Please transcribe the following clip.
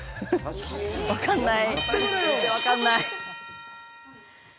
わかんない。